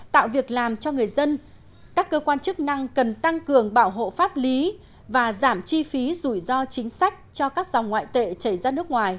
tạo việc làm cho người dân các cơ quan chức năng cần tăng cường bảo hộ pháp lý và giảm chi phí rủi ro chính sách cho các dòng ngoại tệ chảy ra nước ngoài